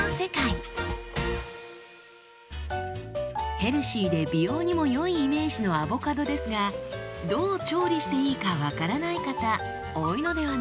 ヘルシーで美容にも良いイメージのアボカドですがどう調理していいか分からない方多いのではないでしょうか？